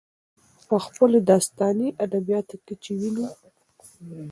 په خپلو داستاني ادبياتو کې چې وينو،